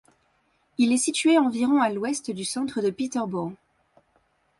Il est situé à environ à l'ouest du centre de Peterborough.